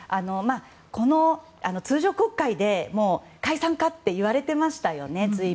この通常国会で解散かと言われていましたよね。